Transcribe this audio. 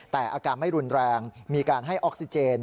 แต่อาการไม่รุนแรงมีการให้ออกซิเจน